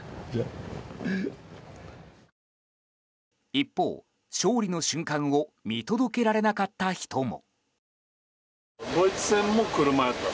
一方、勝利の瞬間を見届けられなかった人も。